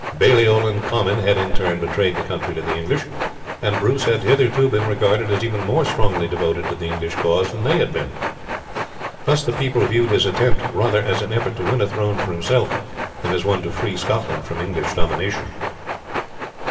Baliol and Comyn had in turn betrayed the country to the English, and Bruce had hitherto been regarded as even more strongly devoted to the English cause than they had been. Thus the people viewed his attempt rather as an effort to win a throne for himself than as one to free Scotland from English domination.